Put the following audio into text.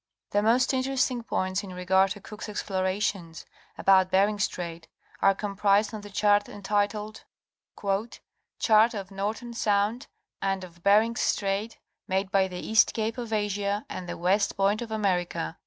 The most interesting points in regard to Cook's explorations about Bering Strait are comprised on the chart (vol. ii, p. 467) entitled : 130 National Geographic Magazme. "Chart of Norton Sound and of Bherings Strait made by the East Cape of Asia and the west point of America."